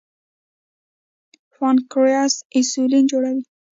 پانکریاس انسولین جوړوي.